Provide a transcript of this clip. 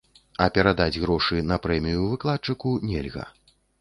А перадаць грошы на прэмію выкладчыку нельга.